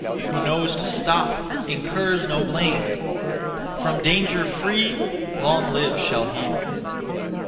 Who knows to stop Incurs no blame. From danger free Long live shall he.